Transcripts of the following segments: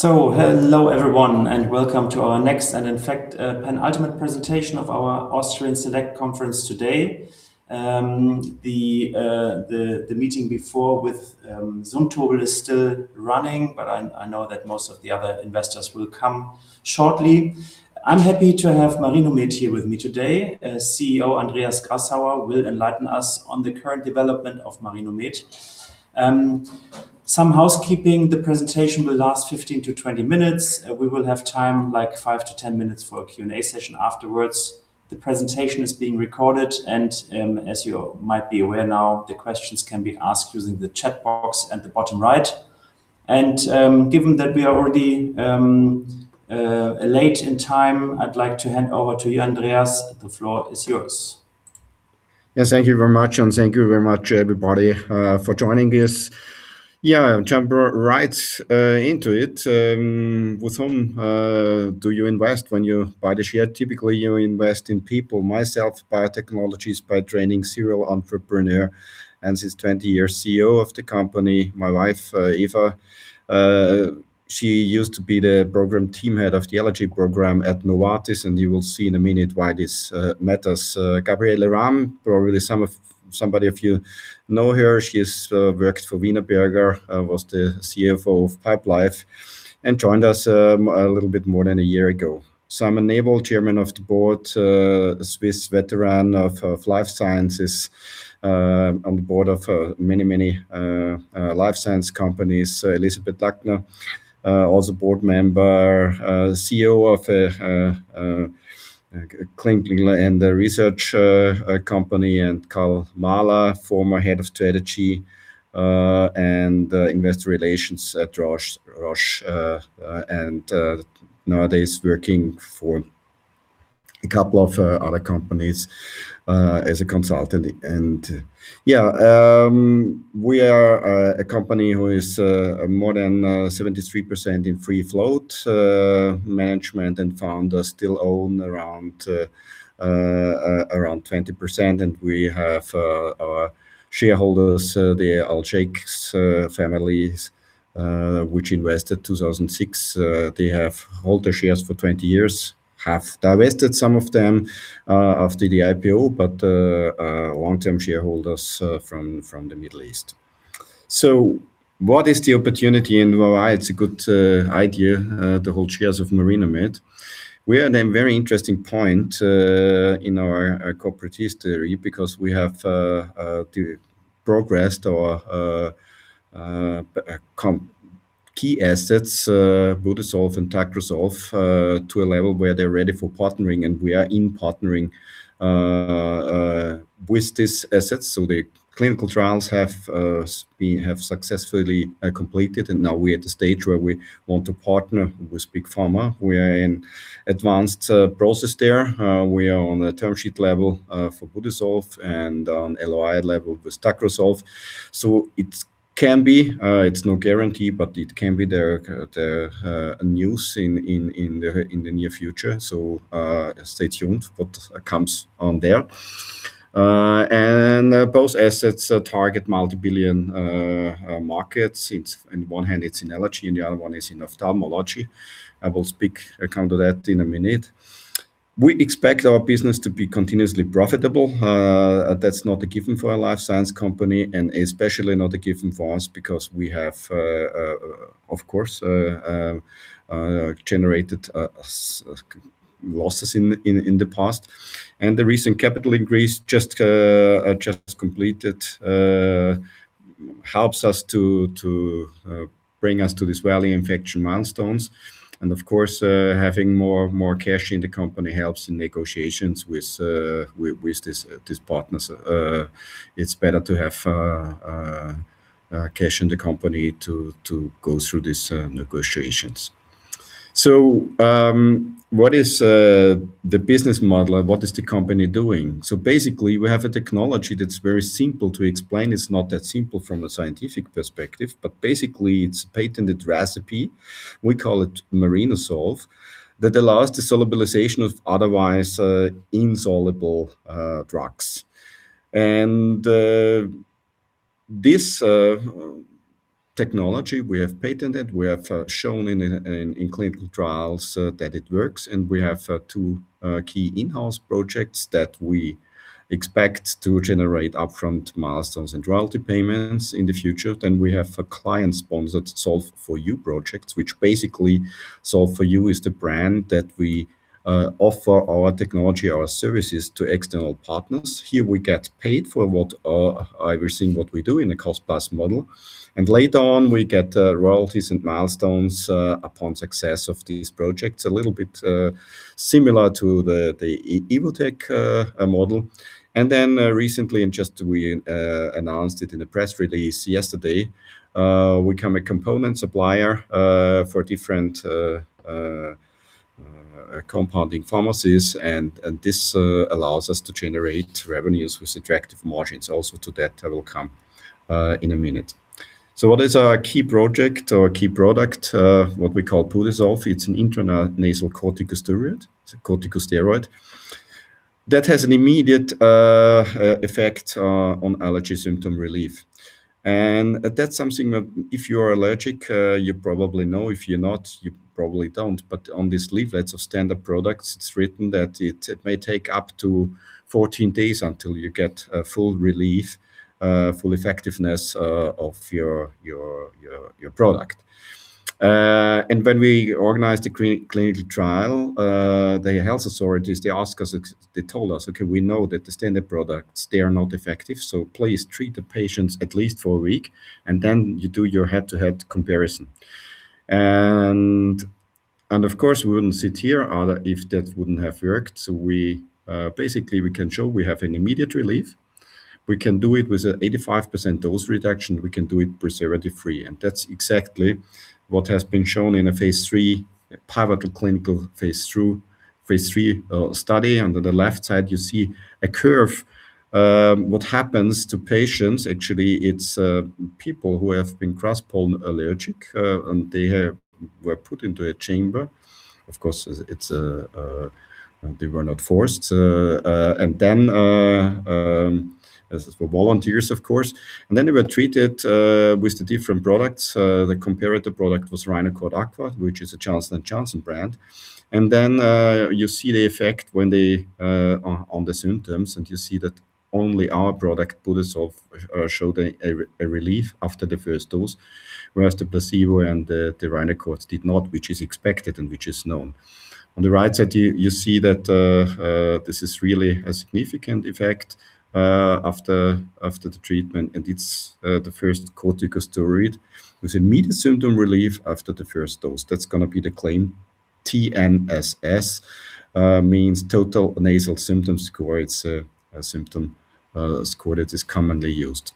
Hello everyone, and welcome to our next, and in fact, penultimate presentation of our Austrian Select Conference today. The meeting before with Zumtobel is still running, but I know that most of the other investors will come shortly. I'm happy to have Marinomed here with me today. CEO Andreas Grassauer will enlighten us on the current development of Marinomed. Some housekeeping. The presentation will last 15-20 minutes. We will have time, 5-10 minutes, for a Q&A session afterwards. The presentation is being recorded, and as you might be aware now, the questions can be asked using the chat box at the bottom right. Given that we are already late in time, I'd like to hand over to you, Andreas. The floor is yours. Yes, thank you very much, and thank you very much, everybody, for joining us. Yeah, I'll jump right into it. With whom do you invest when you buy the share? Typically, you invest in people. Myself, biotechnology is my training, serial entrepreneur, and since 20 years, CEO of the company. My wife, Eva, she used to be the program team head of the allergy program at Novartis, and you will see in a minute why this matters. Gabriele Ram, probably somebody of you know her. She's worked for Wienerberger, was the CFO of Pipelife, and joined us a little bit more than a year ago. Simon Nebel, Chairman of the Board, a Swiss veteran of life sciences, on the board of many life science companies. Elisabeth Lackner, also a Board Member, CEO of a clinical and a research company. Karl Mahler, former head of strategy and investor relations at Roche, and nowadays working for a couple of other companies as a consultant. Yeah, we are a company who is more than 73% in free float. Management and founders still own around 20%, and we have our shareholders, the Al Sheikh families, which invested 2006. They have held their shares for 20 years, have divested some of them after the IPO, but are long-term shareholders from the Middle East. What is the opportunity and why it's a good idea to hold shares of Marinomed? We are in a very interesting point in our corporate history because we have progressed our key assets, Budesolv and Tacrosolv, to a level where they're ready for partnering, and we are in partnering with these assets. The clinical trials have successfully completed, and now we're at the stage where we want to partner with Big Pharma. We are in advanced process there. We are on the term sheet level for Budesolv and on LOI level with Tacrosolv. It can be, it's no guarantee, but it can be the news in the near future. Stay tuned what comes on there. Both assets target multi-billion markets. On one hand it's in allergy, on the other one is in ophthalmology. I will come to that in a minute. We expect our business to be continuously profitable. That's not a given for a life science company, and especially not a given for us because we have, of course, generated losses in the past. The recent capital increase just completed helps us to bring us to this value, in fact, milestones. Of course, having more cash in the company helps in negotiations with these partners. It's better to have cash in the company to go through these negotiations. What is the business model and what is the company doing? Basically, we have a technology that's very simple to explain. It's not that simple from a scientific perspective, but basically, it's a patented recipe, we call it Marinosolv, that allows the solubilization of otherwise insoluble drugs. This technology we have patented, we have shown in clinical trials that it works, and we have two key in-house projects that we expect to generate upfront milestones and royalty payments in the future. We have client-sponsored Solv4U projects, which basically, Solv4U is the brand that we offer our technology, our services to external partners. Here we get paid for what we're doing, what we do in the cost-plus model. Later on, we get royalties and milestones upon success of these projects. A little bit similar to the Evotec model. Then recently, just we announced it in the press release yesterday, we become a component supplier for different compounding pharmacies. This allows us to generate revenues with attractive margins also to that, I will come in a minute. What is our key project? Our key product, what we call Budesolv. It's an intranasal corticosteroid. It's a corticosteroid that has an immediate effect on allergy symptom relief. That's something that if you are allergic, you probably know. If you're not, you probably don't. On these leaflets of standard products, it's written that it may take up to 14 days until you get a full relief, full effectiveness of your product. When we organized the clinical trial, the health authorities, they told us, "Okay, we know that the standard products, they are not effective, so please treat the patients at least for a week, and then you do your head-to-head comparison." Of course, we wouldn't sit here if that wouldn't have worked. Basically, we can show we have an immediate relief. We can do it with an 85% dose reduction. We can do it preservative-free. That's exactly what has been shown in a phase III pivotal clinical study. Under the left side, you see a curve. What happens to patients, actually, it's people who have been grass-pollen allergic, and they were put into a chamber. Of course, they were not forced. These were volunteers, of course. Then they were treated with the different products. The comparative product was Rhinocort Aqua, which is a Johnson & Johnson brand. Then you see the effect on the symptoms, and you see that only our product, Budesolv, showed a relief after the first dose, whereas the placebo and the Rhinocort did not, which is expected and which is known. On the right side, you see that this is really a significant effect after the treatment, and it's the first corticosteroid with immediate symptom relief after the first dose. That's going to be the claim. TNSS means Total Nasal Symptom Score. It's a symptom score that is commonly used.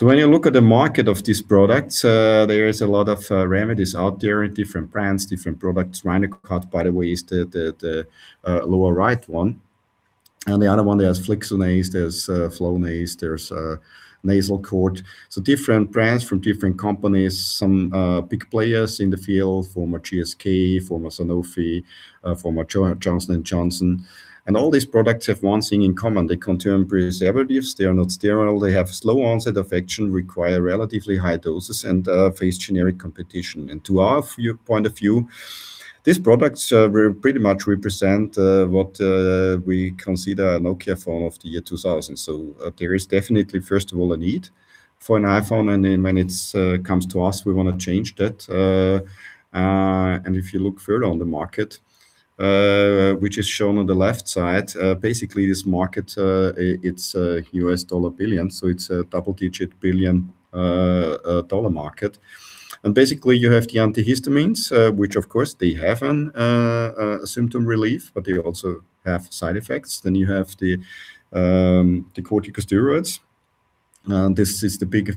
When you look at the market of these products, there is a lot of remedies out there and different brands, different products. Rhinocort, by the way, is the lower right one. The other one, there's Flixonase, there's Flonase, there's Nasocort. Different brands from different companies. Some big players in the field, former GSK, former Sanofi, former Johnson & Johnson. All these products have one thing in common. They contain preservatives. They are not sterile. They have slow onset of action, require relatively high doses, and face generic competition. To our point of view, these products pretty much represent what we consider a Nokia phone of the year 2000. There is definitely, first of all, a need for an iPhone, and when it comes to us, we want to change that. If you look further on the market, which is shown on the left side, basically this market, it's a U.S dollar billion, so it's a double-digit billion dollar market. Basically you have the antihistamines, which of course they have a symptom relief, but they also have side effects. Then you have the corticosteroids.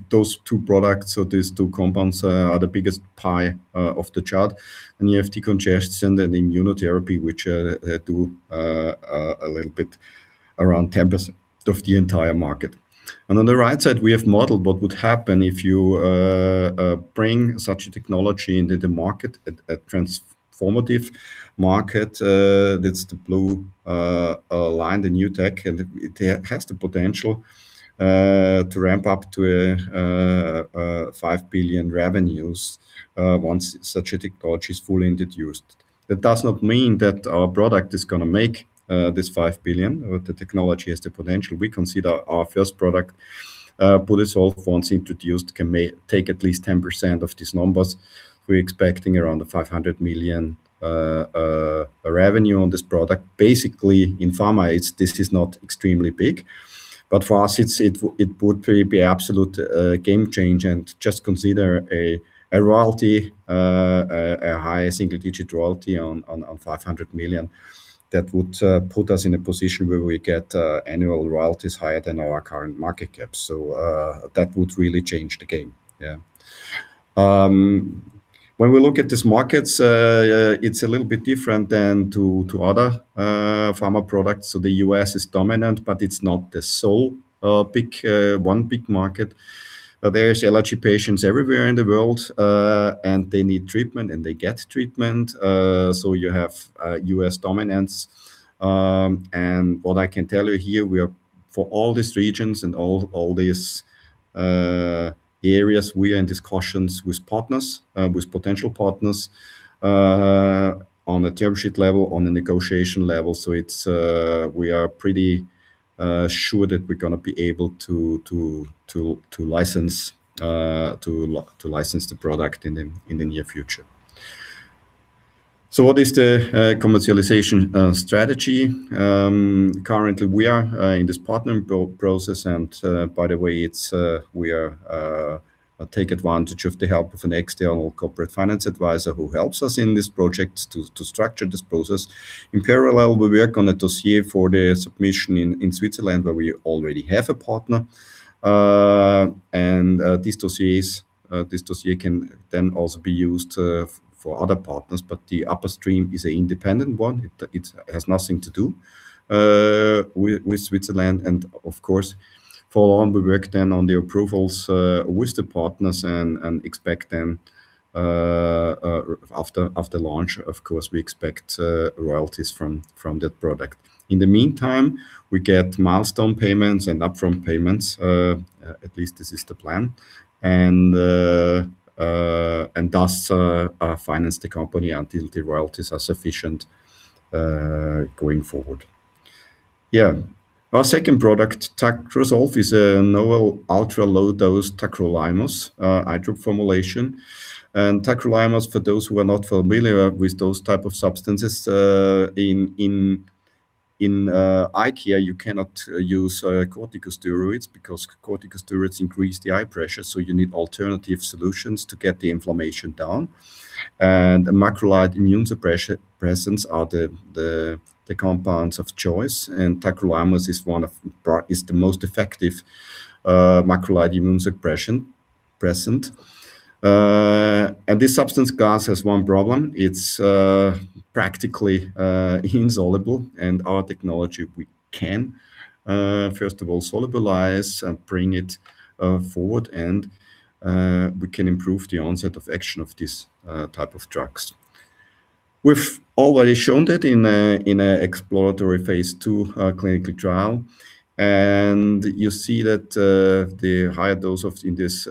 Those two products or these two compounds are the biggest pie of the chart. You have decongestants and then immunotherapy, which do a little bit around 10% of the entire market. On the right side, we have modeled what would happen if you bring such a technology into the market, a transformative market. That's the blue line, the new tech. It has the potential to ramp up to $5 billion revenues once such a technology is fully introduced. That does not mean that our product is going to make this $5 billion, but the technology has the potential. We consider our first product, Budesolv, once introduced, can take at least 10% of these numbers. We're expecting around a $500 million revenue on this product. Basically, in pharma, this is not extremely big, but for us, it would be absolute game change. Just consider a high single-digit royalty on $500 million. That would put us in a position where we get annual royalties higher than our current market cap. That would really change the game. Yeah. When we look at these markets, it's a little bit different than other pharma products. The U.S. is dominant, but it's not the sole one big market. There's allergy patients everywhere in the world, and they need treatment, and they get treatment. You have U.S. dominance. What I can tell you here, for all these regions and all these areas, we are in discussions with potential partners on a term sheet level, on a negotiation level. We are pretty sure that we're going to be able to license the product in the near future. What is the commercialization strategy? Currently, we are in this partner process. By the way, we take advantage of the help of an external corporate finance advisor who helps us in this project to structure this process. In parallel, we work on a dossier for the submission in Switzerland, where we already have a partner. This dossier can then also be used for other partners, but the upstream is an independent one. It has nothing to do with Switzerland. Follow on, we work then on the approvals with the partners and expect them after launch. Of course, we expect royalties from that product. In the meantime, we get milestone payments and upfront payments, at least this is the plan. Thus, finance the company until the royalties are sufficient going forward. Yeah. Our second product, Tacrosolv, is a novel ultra-low dose tacrolimus eye drop formulation. Tacrolimus, for those who are not familiar with those type of substances, in the eye care you cannot use corticosteroids because corticosteroids increase the eye pressure, so you need alternative solutions to get the inflammation down. Macrolide immunosuppressants are the compounds of choice, and tacrolimus is the most effective macrolide immunosuppressant. This substance has one problem, it's practically insoluble and our technology, we can first of all solubilize and bring it forward and we can improve the onset of action of this type of drugs. We've already shown that in an exploratory phase II clinical trial. You see that the higher dose in this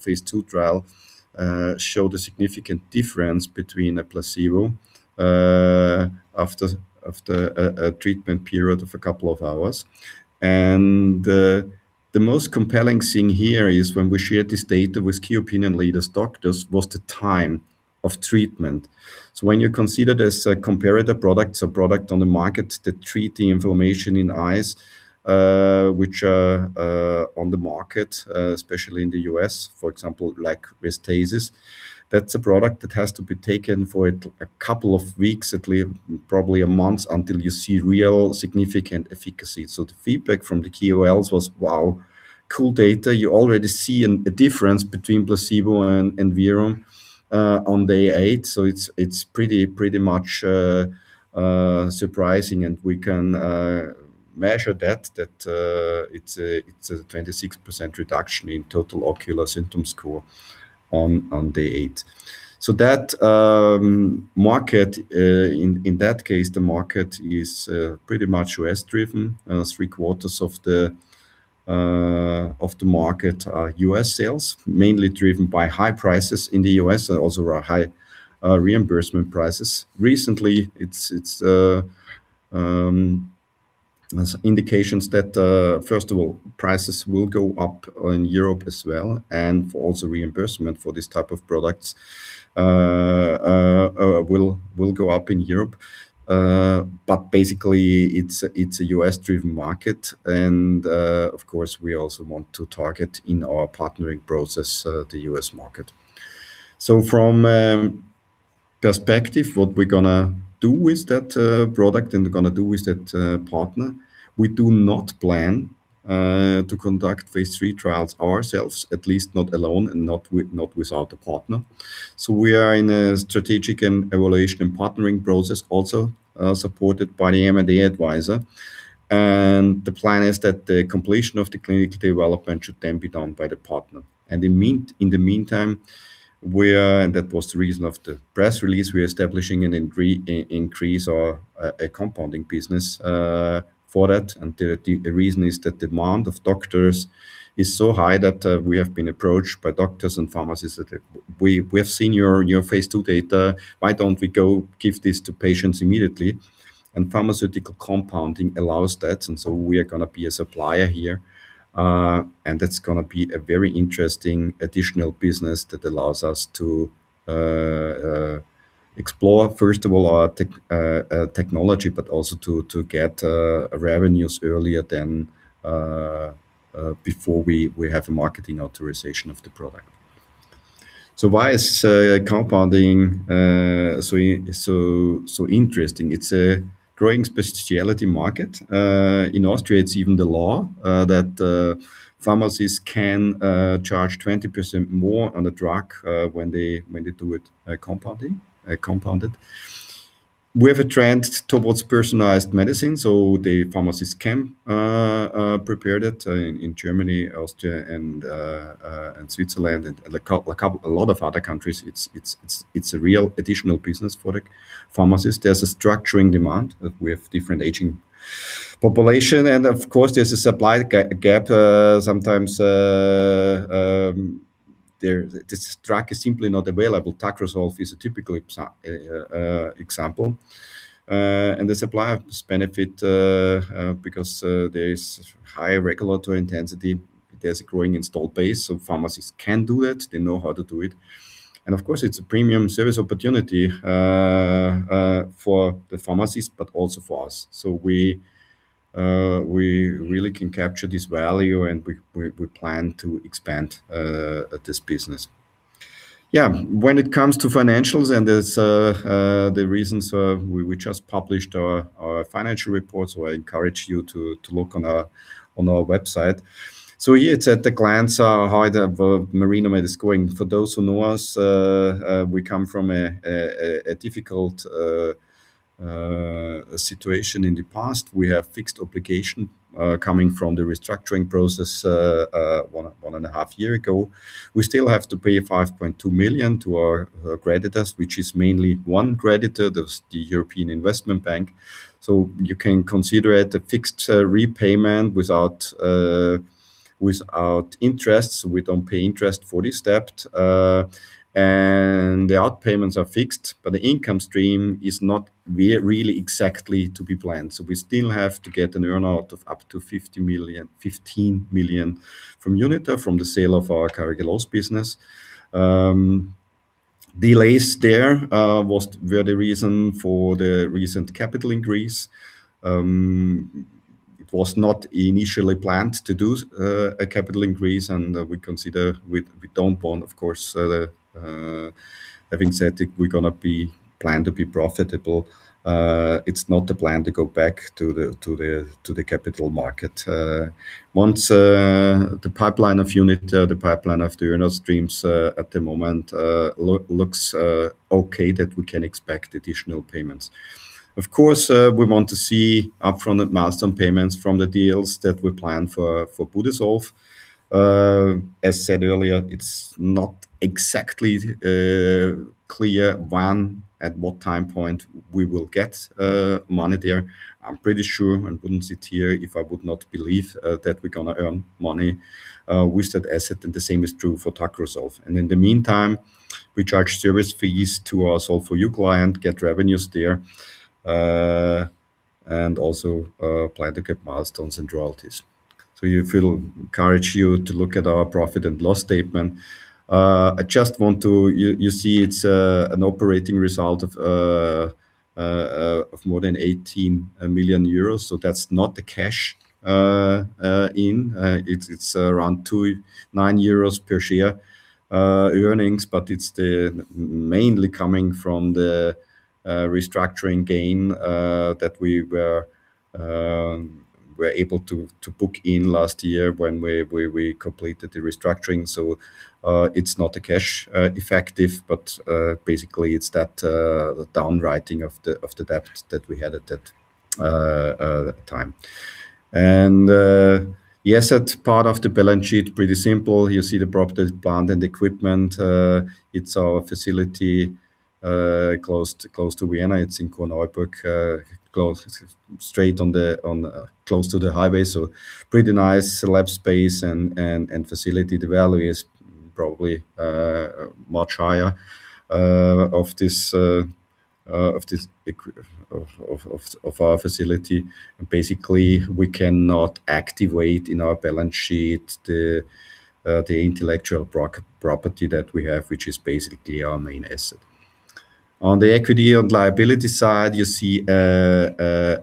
phase II trial showed a significant difference between a placebo after a treatment period of a couple of hours. The most compelling thing here is when we shared this data with key opinion leaders, doctors, was the time of treatment. When you consider this comparative products or product on the market that treat the inflammation in eyes, which are on the market, especially in the U.S., for example, like Restasis, that's a product that has to be taken for a couple of weeks at least, probably a month, until you see real significant efficacy. The feedback from the KOLs was, "Wow, cool data." You already see a difference between placebo and Enbrel on day eight. It's pretty much surprising. We can measure that it's a 26% reduction in Total Ocular Symptom Score on day eight. In that case, the market is pretty much U.S.-driven. Three quarters of the market are U.S. sales, mainly driven by high prices in the U.S., also our high reimbursement prices. Recently, there are indications that first of all, prices will go up in Europe as well, and also reimbursement for this type of products will go up in Europe. Basically, it's a U.S.-driven market. Of course, we also want to target in our partnering process the U.S. market. From that perspective, what we're going to do with that product and what we're going to do with that partner, we do not plan to conduct phase III trials ourselves, at least not alone and not without a partner. We are in a strategic evaluation and partnering process also supported by the M&A advisor. The plan is that the completion of the clinical development should then be done by the partner. In the meantime, that was the reason for the press release, we're establishing an increase compounding business for that. The reason is that demand of doctors is so high that we have been approached by doctors and pharmacists that say, "We have seen your phase II data. Why don't we go give this to patients immediately?" Pharmaceutical compounding allows that. We are going to be a supplier here. That's going to be a very interesting additional business that allows us to explore, first of all, our technology, but also to get revenues earlier than before we have a marketing authorization of the product. Why is compounding so interesting? It's a growing specialty market. In Austria it's even the law that pharmacies can charge 20% more on a drug when they do it compounded. We have a trend towards personalized medicine, so the pharmacist can prepare that in Germany, Austria, and Switzerland, and a lot of other countries. It's a real additional business for the pharmacist. There's a structural demand with the aging population. Of course, there's a supply gap sometimes. This drug is simply not available. Tacrosolv is a typical example. The suppliers benefit because there is high regulatory intensity. There's a growing installed base, so pharmacies can do it. They know how to do it. Of course, it's a premium service opportunity for the pharmacies, but also for us. We really can capture this value, and we plan to expand this business. Yeah. When it comes to financials, and that's the reason we just published our financial report, so I encourage you to look on our website. Here it's at a glance how Marinomed is doing. For those who know us, we come from a difficult situation in the past. We have fixed obligations coming from the restructuring process one and a half years ago. We still have to pay 5.2 million to our creditors, which is mainly one creditor, that's the European Investment Bank. You can consider it a fixed repayment without interest. We don't pay interest for this debt. The outpayments are fixed, but the income stream is not really exactly to be planned. We still have to get an earn-out of up to 15 million from Unither, from the sale of our Carragelose business. Delays there were the reason for the recent capital increase. It was not initially planned to do a capital increase, and we don't want, of course, having said it, we're going to plan to be profitable. It's not the plan to go back to the capital market. Once the pipeline of Unither, the pipeline of the earn-out streams at the moment looks okay that we can expect additional payments. Of course, we want to see upfront milestone payments from the deals that we plan for Budesolv. As said earlier, it's not exactly clear when, at what time point we will get money there. I'm pretty sure I wouldn't sit here if I would not believe that we're going to earn money with that asset, and the same is true for Tacrosolv. And in the meantime, we charge service fees to our Solv4U client, get revenues there, and also plan to get milestones and royalties. If it'll encourage you to look at our profit and loss statement, you see it's an operating result of more than 18 million euros. That's not the cash in. It's around 29 euros per share earnings, but it's mainly coming from the restructuring gain that we were able to book in last year when we completed the restructuring. It's not a cash effective, but basically, it's that down writing of the debt that we had at that time. The asset part of the balance sheet, pretty simple. You see the properties, plant and equipment. It's our facility close to Vienna. It's in Korneuburg, close to the highway. Pretty nice lab space and facility. The value is probably much higher of our facility. Basically, we cannot activate in our balance sheet the intellectual property that we have, which is basically our main asset. On the equity and liability side, you see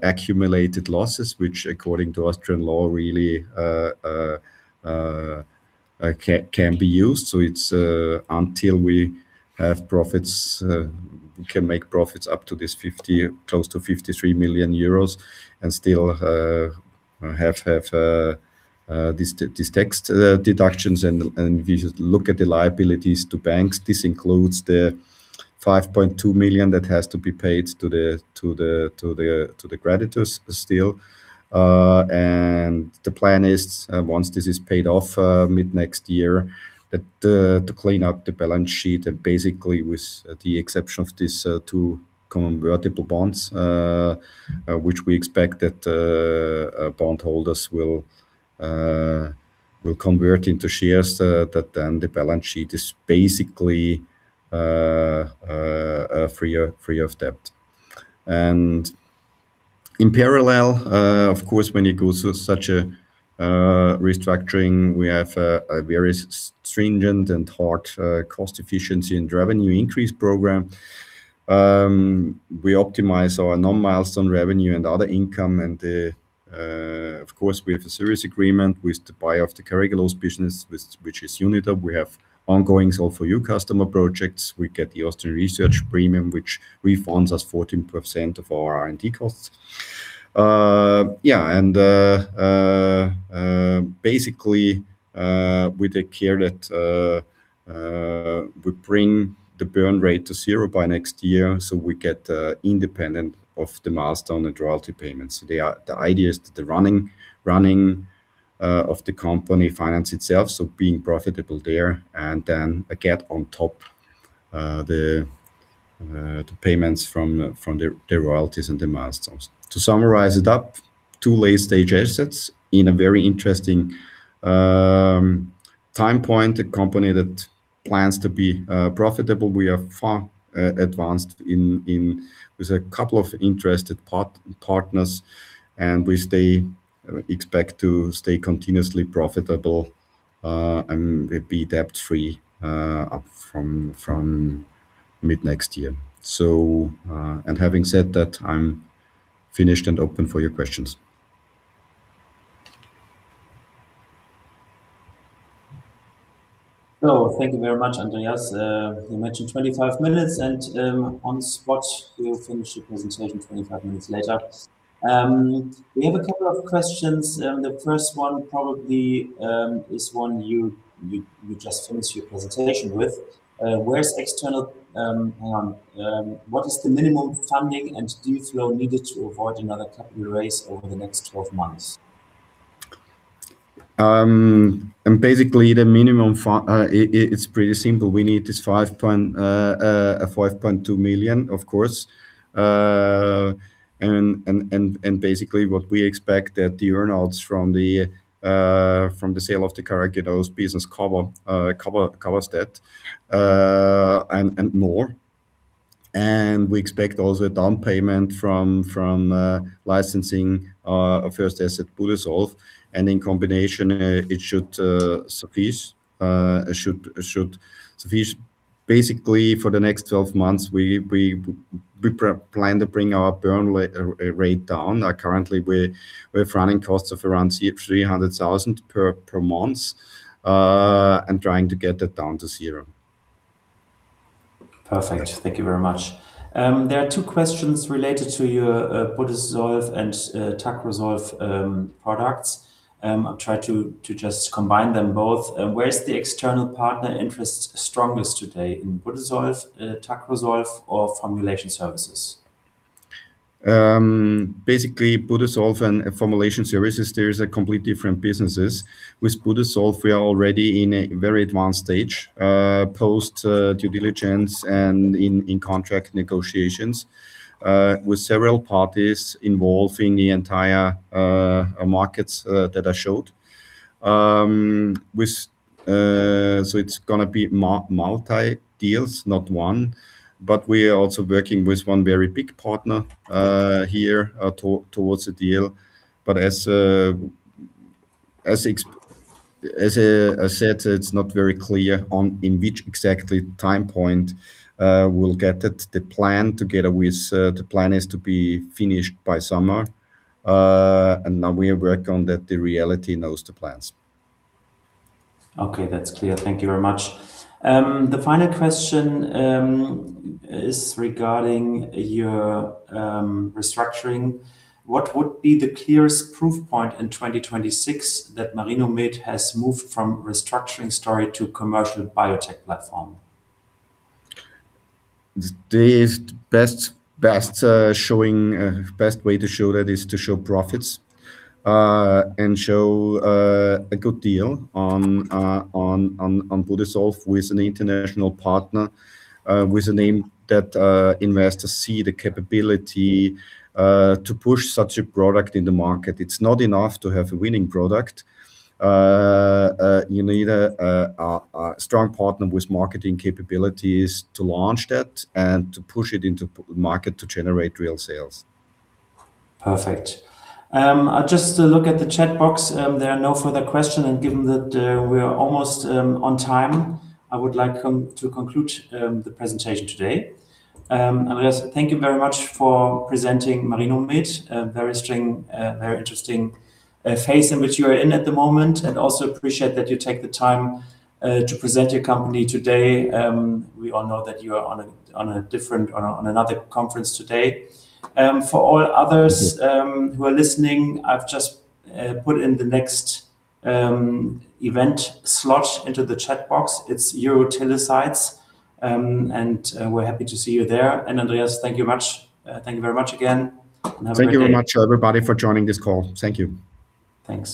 accumulated losses, which according to Austrian law, really can be used. It's until we can make profits up to close to 53 million euros and still have these tax deductions and if you look at the liabilities to banks, this includes the 5.2 million that has to be paid to the creditors still. The plan is, once this is paid off mid-next year, to clean up the balance sheet and basically with the exception of these two convertible bonds which we expect that bondholders will convert into shares, that then the balance sheet is basically free of debt. In parallel, of course, when you go through such a restructuring, we have a very stringent and hard cost efficiency and revenue increase program. We optimize our non-milestone revenue and other income, and of course, we have a service agreement with the buyer of the Carragelose business, which is Unither. We have ongoing Solv4U customer projects. We get the Austrian Research premium, which refunds us 14% of our R&D costs. Yeah, basically, we take care that we bring the burn rate to zero by next year, so we get independent of the milestone and royalty payments. The idea is that the running of the company finances itself, so being profitable there, and then again on top, the payments from the royalties and the milestones. To summarize it up, two late-stage assets in a very interesting time point. A company that plans to be profitable. We are far advanced with a couple of interested partners, and we expect to stay continuously profitable, and be debt-free from mid-next year. Having said that, I'm finished and open for your questions. Hello. Thank you very much, Andreas. You mentioned 25 minutes, and on the spot, you finish your presentation 25 minutes later. We have a couple of questions. The first one probably is one you just finished your presentation with. What is the minimum funding and deal flow needed to avoid another capital raise over the next 12 months? Basically the minimum, it's pretty simple. We need this 5.2 million, of course. Basically what we expect that the earn-outs from the sale of the Carragelose business covers that and more. We expect also a down payment from licensing our first asset, Budesolv. In combination, it should suffice. Basically for the next 12 months, we plan to bring our burn rate down. Currently, we're running costs of around 300,000 per month, and trying to get that down to zero. Perfect. Thank you very much. There are two questions related to your Budesolv and Tacrosolv products. I'll try to just combine them both. Where is the external partner interest strongest today, in Budesolv, Tacrosolv, or formulation services? Basically, Budesolv and formulation services are completely different businesses. With Budesolv, we are already in a very advanced stage, post due diligence and in contract negotiations with several parties involving the entire markets that I showed. It's going to be multi-deals, not one. As I said, it's not very clear in which exact time point we'll get it. The plan is to be finished by summer. Now we work on that. The reality knows the plans. Okay. That's clear. Thank you very much. The final question is regarding your restructuring. What would be the clearest proof point in 2026 that Marinomed has moved from restructuring story to commercial biotech platform? The best way to show that is to show profits, and show a good deal on Budesolv with an international partner, with a name that investors see the capability to push such a product in the market. It's not enough to have a winning product. You need a strong partner with marketing capabilities to launch that and to push it into market to generate real sales. Perfect. I'll just look at the chat box. There are no further questions, and given that we are almost on time, I would like to conclude the presentation today. Andreas, thank you very much for presenting Marinomed. It's a very interesting phase in which you are in at the moment, and I also appreciate that you take the time to present your company today. We all know that you are on another conference today. For all others who are listening, I've just put in the next event slot into the chat box. It's EuroTILACIDES, and we're happy to see you there. Andreas, thank you very much again, and have a great day. Thank you very much, everybody, for joining this call. Thank you. Thanks